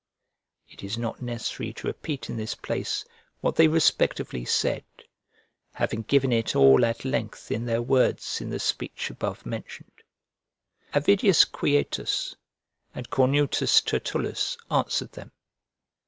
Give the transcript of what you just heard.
It is not necessary to repeat in this place what they respectively said, having given it all at length in their words in the speech above mentioned. Avidius Quietus and Cornutus Tertullus answered them.